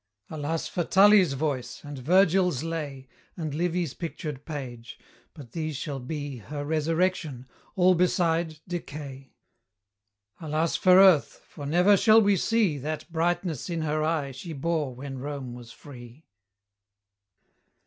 Alas for Tully's voice, and Virgil's lay, And Livy's pictured page! But these shall be Her resurrection; all beside decay. Alas for Earth, for never shall we see That brightness in her eye she bore when Rome was free!